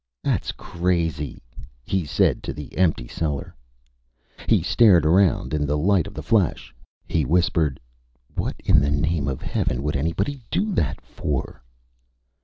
"That's crazy," he said to the empty cellar. He stared around in the light of the flash. He whispered, "What in the name of Heaven would anybody do that for?"